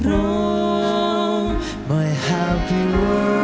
รักเชิญเกินมา